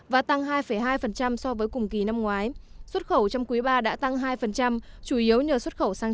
và tăng hai hai so với cùng kỳ năm ngoái xuất khẩu trong quý ba đã tăng hai chủ yếu nhờ xuất khẩu sang